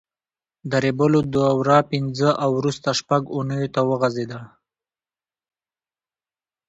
د ریبلو دوره پینځه او وروسته شپږ اوونیو ته وغځېده.